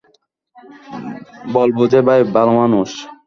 বলব যে ভাই ভালো মানুষ?